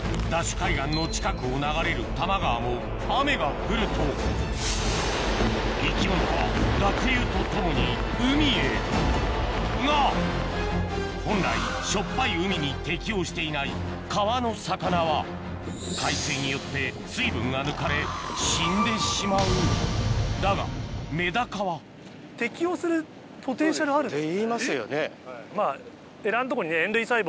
海岸の近くを流れる多摩川も雨が降ると生き物は濁流とともに海へが本来しょっぱい海に適応していない川の魚は海水によって水分が抜かれ死んでしまうだがメダカはっていいますよね。